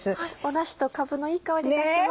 だしとかぶのいい香りがします。